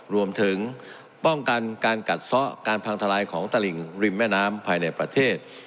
รวมถึงป้องกันการกัดซ้อการพังทลายของตลิ่งริมแม่น้ำภายในประเทศ